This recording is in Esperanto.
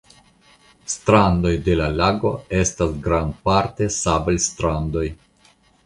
Strandoj de la lago estas grandparte sablstrandoj.